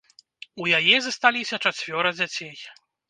У яе засталіся чацвёра дзяцей.